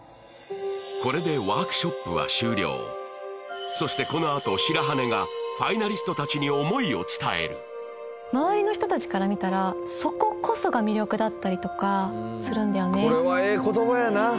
これでそしてこのあと白羽がファイナリスト達に思いを伝える周りの人達から見たらそここそが魅力だったりとかするんだよねハァ。